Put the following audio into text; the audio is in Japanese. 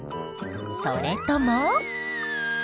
それとも。